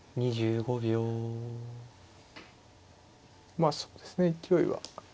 まあそうですね勢いは。